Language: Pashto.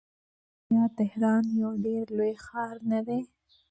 آیا تهران یو ډیر لوی ښار نه دی؟